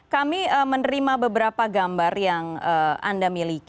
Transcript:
kami menerima beberapa gambar yang anda miliki